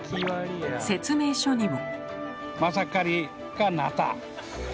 説明書にも。